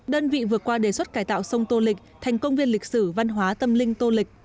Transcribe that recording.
đơn vị vượt qua đề xuất cải tạo sông tô lịch thành công viên lịch sử văn hóa tâm linh tô lịch